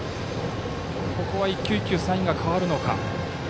ここは１球１球サインが変わるのか。